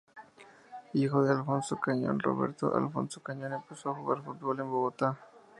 Hijo de Alfonso Cañón, Roberto Alfonso Cañón empezó a jugar fútbol en Bogotá.